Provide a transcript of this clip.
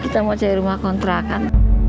kita mau cari rumah kontrakan